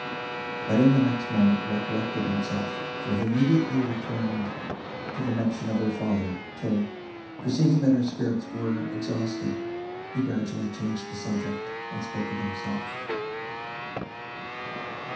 but in the next moment recollected himself, for he immediately returned to the mention of her father; till, perceiving that her spirits were exhausted, he gradually changed the subject, and spoke of himself.